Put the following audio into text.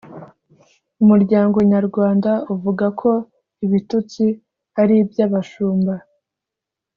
umuryango nyarwanda uvuga ko ibitutsi ari iby’abashumba.